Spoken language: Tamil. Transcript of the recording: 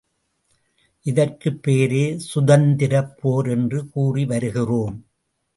இதற்குப் பெயரே சுதந்தி ரப்போர் என்று கூறி வருகிறோம்.